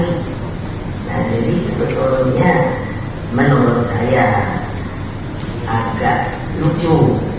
nah jadi sebetulnya menurut saya agak lucu